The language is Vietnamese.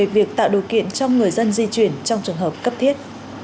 để thực hiện cho người dân di chuyển trong trường hợp cấp thiết